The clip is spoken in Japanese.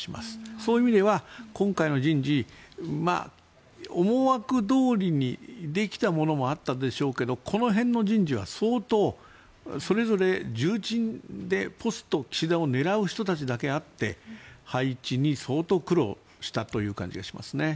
そういう意味では今回の人事、思惑どおりにできたものもあったでしょうけどこの辺の人事は相当それぞれ重鎮でポスト岸田を狙う人だけあって配置に相当苦労したという感じがしますね。